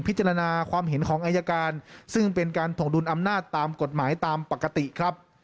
พิจารณาความเห็นของอายการซึ่งเป็นการถวงดุลอำนาจตามกฎหมายตามปกติครับ